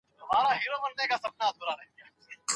ماشوم غوښتل چې د خپل زېري په بدل کې د انارګل نوې څپلۍ وګوري.